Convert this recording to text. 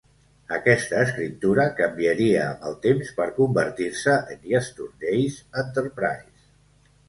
Aquesta escriptura canviaria amb el temps per convertir-se en "Yesterday's Enterprise".